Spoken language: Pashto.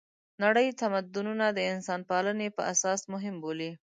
نړۍ تمدونونه د انسانپالنې په اساس مهم بولي.